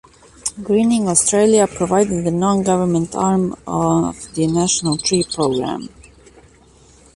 Greening Australia provided the non-government arm of the National Tree Program.